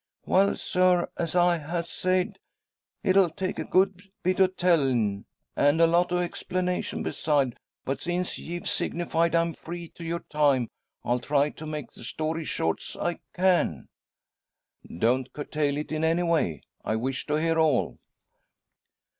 "Well, sir, as I ha' sayed, it'll take a good bit o' tellin', and a lot o' explanation beside. But since ye've signified I'm free to your time, I'll try and make the story short's I can." "Don't curtail it in any way. I wish to hear all!"